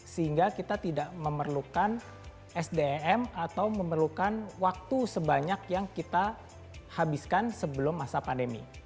sehingga kita tidak memerlukan sdm atau memerlukan waktu sebanyak yang kita habiskan sebelum masa pandemi